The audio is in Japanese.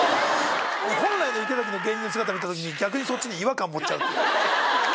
本来の池崎の芸人の姿を見たときに、逆にそっちに違和感持っちゃう。